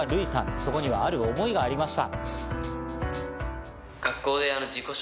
そこにはある思いがありました。